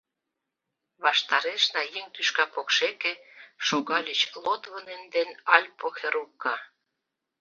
Ваштарешна, еҥ тӱшка покшеке, шогальыч Лотвонен ден Альпо Херукка.